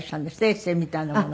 エッセーみたいなもの。